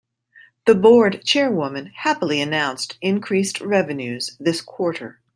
The board chairwoman happily announced increased revenues this quarter.